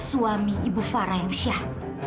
suami ibu fara yang syah